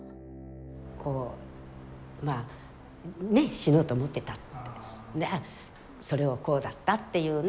こうまあね死のうと思ってたってでそれをこうだったっていうね